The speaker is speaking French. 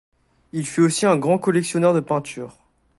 Il fut aussi un grand collectionneur de peintures.